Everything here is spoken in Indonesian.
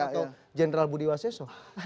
atau general budi waseso